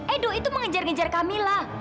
edo itu mengejar ngejar camilla